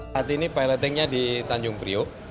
saat ini pilotingnya di tanjung priok